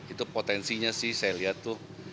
itu potensinya sih saya lihat tuh